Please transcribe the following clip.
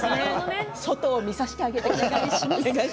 外を見させてあげてください。